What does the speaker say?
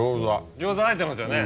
餃子入ってますよね。